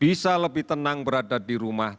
bisa lebih tenang berada di rumah